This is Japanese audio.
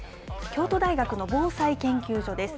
京都大学の防災研究所です。